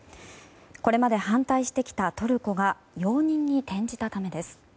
これまで反対してきたトルコが容認に転じたためです。